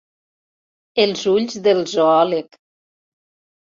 Els ulls del zoòleg.